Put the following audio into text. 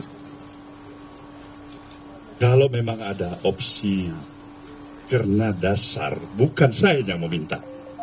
kalau memang ada opsi karena dasar bukan saya yang meminta